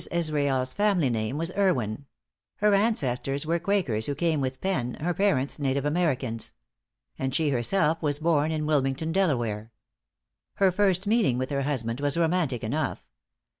Israel's family name was Erwin; her ancestors were Quakers who came with Penn, her parents native Americans; and she herself was born in Wilmington, Delaware. Her first meeting with her husband was romantic enough.